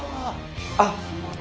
あっ。